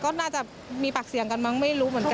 ก็น่าจะมีปากเสียงกันมั้งไม่รู้เหมือนกัน